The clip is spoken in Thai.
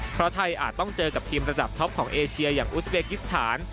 เพราะไทยอาจต้องเจอกับทีมระดับท็อปของเอเชียอย่างอุสเบกิสถาน